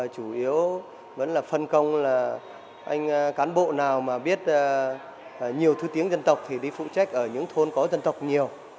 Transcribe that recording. chủ yếu vẫn là phân công là anh cán bộ nào mà biết nhiều thứ tiếng dân tộc thì đi phụ trách ở những thôn có dân tộc nhiều